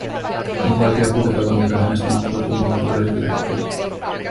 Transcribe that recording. On vaikea kuvitella, miltä hänestä mahtoi tuntua juuri sillä hetkellä.